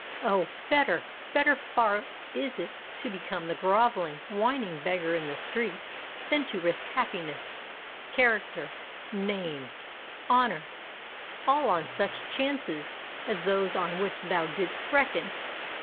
Oh! better—better far is it to become the grovelling, whining beggar in the streets, than to risk happiness—character—name—honour—all, on such chances as those on which thou didst reckon!